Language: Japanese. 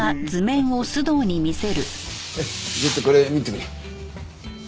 ちょっとこれ見てくれ。